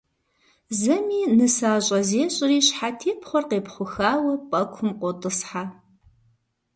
Зэми нысащӏэ зещӏри щхьэтепхъуэр къепхъухауэ пӏэкум къотӏысхьэ.